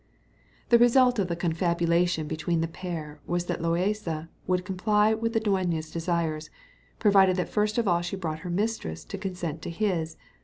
The result of the confabulation between the pair was that Loaysa would comply with the dueña's desires, provided that first of all she brought her mistress to consent to his.